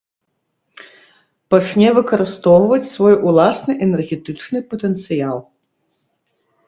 Пачне выкарыстоўваць свой уласны энергетычны патэнцыял.